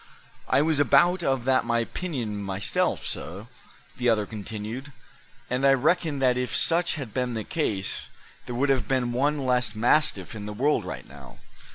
"I was about of that opinion myself, suh," the other continued; "and I reckon that if such had been the case, there would have been one less mastiff in the world right now.